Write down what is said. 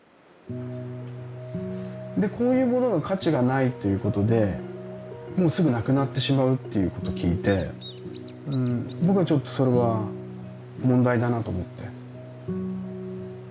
こういうものが価値がないということでもうすぐなくなってしまうっていうこと聞いて僕はちょっとそれは問題だなと思って。